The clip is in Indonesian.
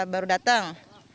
habis berjalan kita akan berjalan